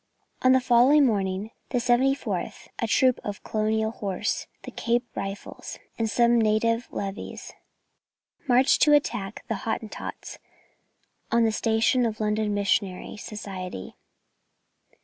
On the following morning the 74th, a troop of Colonial Horse, the Cape Rifles, and some native levies, marched to attack the Hottentots on the station of the London Missionary Society.